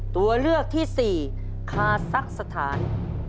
ตัวเลือกที่สี่คาซักสถาน